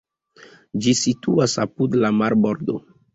Ĝi situas apud la marbordo.